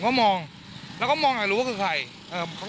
ผมก็มองแล้วก็มองอย่างไม่รู้ว่าคือใคร